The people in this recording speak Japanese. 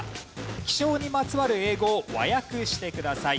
気象にまつわる英語を和訳してください。